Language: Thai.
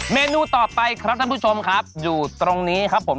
เมนูต่อไปครับท่านผู้ชมครับอยู่ตรงนี้ครับผม